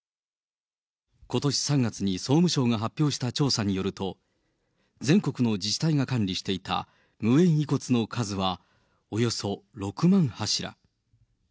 ことし３月に総務省が発表した調査によると、全国の自治体が管理していた無縁遺骨の数はおよそ６万柱。